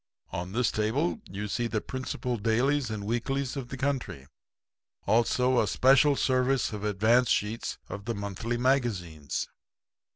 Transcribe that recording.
On this table you see the principal dailies and weeklies of the country. Also a special service of advance sheets of the monthly magazines.'